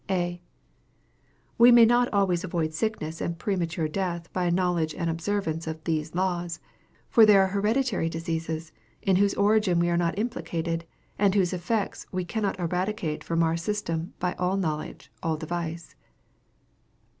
A. We may not always avoid sickness and premature death by a knowledge and observance of these laws; for there are hereditary diseases, in whose origin we are not implicated, and whose effects we cannot eradicate from our system by "all knowledge, all device."